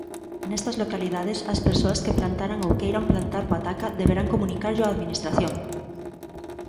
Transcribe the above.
Nestas localidades, as persoas que plantaran ou queiran plantar pataca deberán comunicarllo á administración.